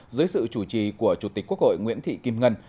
dưới sự chủ trì của chủ tịch quốc hội nguyễn thị kim ngân